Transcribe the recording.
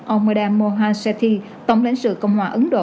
ông mada mohasethi tổng lãnh sự cộng hòa ấn độ